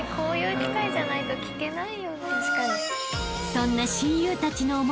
［そんな］